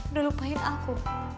udah lupain aku